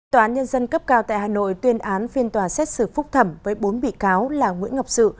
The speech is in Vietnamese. tòa án nhân dân cấp cao tại hà nội tuyên án phiên tòa xét xử phúc thẩm với bốn bị cáo là nguyễn ngọc sự